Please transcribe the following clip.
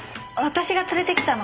私が連れてきたの。